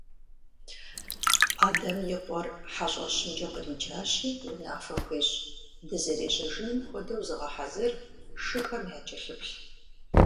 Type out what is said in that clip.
Адэм и къуэр хьэщӀэщымкӀэ къриджащи унафэ хуещӀ: – Дызэрежьэнум хуэдэу зыгъэхьэзыр, шыхэм якӀэлъыплъ.